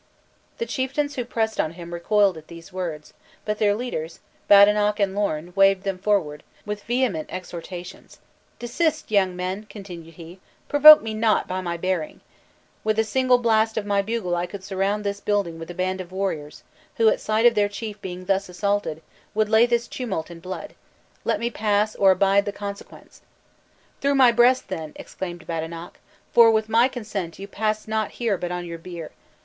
The chieftains who pressed on him recoiled at these words, but their leaders, Badenoch and Lorn, waved them forward, with vehement exhortations. "Desist, young men!" continued he, "provoke me not beyond my bearing. With a single blast of my bugle I could surround this building with a band of warriors, who at sight of their chief being thus assaulted, would lay this tumult in blood. Let me pass, or abide the consequence!" "Through my breast, then," exclaimed Badenoch; "for, with my consent, you pass not here but on your bier.